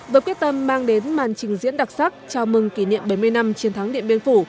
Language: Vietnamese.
với quyết tâm mang đến màn trình diễn đặc sắc chào mừng kỷ niệm bảy mươi năm chiến thắng điện biên phủ